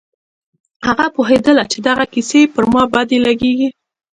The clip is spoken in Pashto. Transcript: هغه پوهېدله چې دغه کيسې پر ما بدې لگېږي.